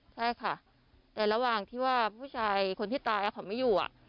ใช่ค่ะแต่ระหว่างที่ว่าผู้ชายคนที่ตายเขาไม่อยู่